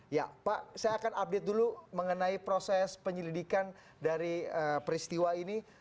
ya pak saya akan update dulu mengenai proses penyelidikan dari peristiwa ini